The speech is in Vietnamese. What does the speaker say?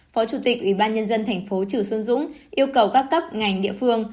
phó chủ tịch ủy ban nhân dân thành phố chử xuân dũng yêu cầu các cấp ngành địa phương